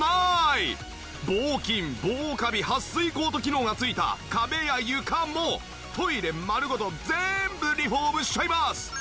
防菌防カビはっ水コート機能が付いた壁や床もトイレ丸ごと全部リフォームしちゃいます！